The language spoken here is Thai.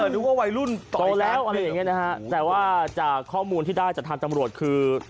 นึกว่าวัยรุ่นต่อได้แซกแต่ว่าข้อมูลที่ได้จากทางจำรวจคือ